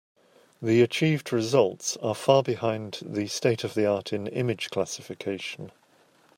The achieved results are far behind the state-of-the-art in image classification.